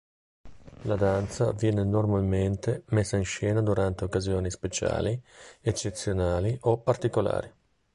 La danza viene normalmente messa in scena durante occasioni speciali, eccezionali o particolari.